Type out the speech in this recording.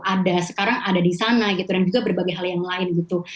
ada sekarang ada di sana gitu dan juga berbagai hal yang lain gitu